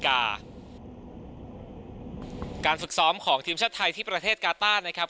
การฝึกซ้อมของทีมชาติไทยที่ประเทศกาต้านะครับ